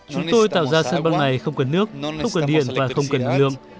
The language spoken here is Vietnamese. chúng tôi tạo ra sân băng này không cần nước không cần điện và không cần năng lượng